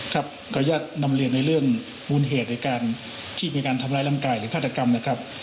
ครับก็ยัดนำเรียนในเรื่องมูลเหตุในการทีม๓๐๐ลำกายหรือฆาตกรรมนะครับ